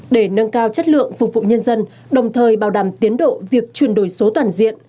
để nâng cao chất lượng phục vụ nhân dân đồng thời bảo đảm tiến độ việc chuyển đổi số toàn diện